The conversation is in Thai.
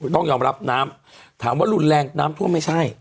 ต้องยอมรับน้ำถามว่ารุนแรงน้ำท่วมไม่ใช่